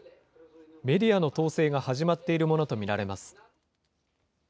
メディアの統制が始まっているものと見られます。